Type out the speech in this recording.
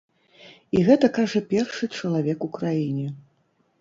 І гэта кажа першы чалавек у краіне.